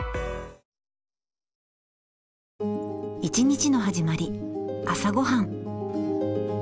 一日の始まり朝ごはん。